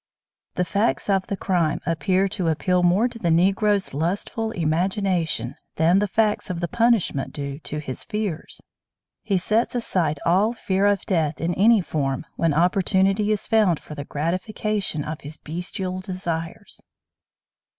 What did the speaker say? The facts of the crime appear to appeal more to the Negro's lustful imagination than the facts of the punishment do to his fears. He sets aside all fear of death in any form when opportunity is found for the gratification of his bestial desires.